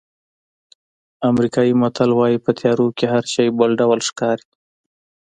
امریکایي متل وایي په تیارو کې هر شی بل ډول ښکاري.